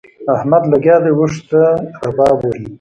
احمد لګيا دی؛ اوښ ته رباب وهي.